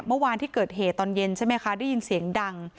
เมื่อวานที่เกิดเหตุตอนเย็นใช่ไหมคะได้ยินเสียงดัง